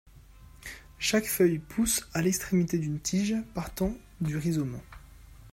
Chaque feuille pousse à l'extrémité d'une tige partant du rhizome.